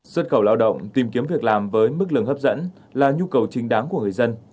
xuất khẩu lao động tìm kiếm việc làm với mức lương hấp dẫn là nhu cầu chính đáng của người dân